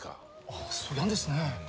あっそぎゃんですね。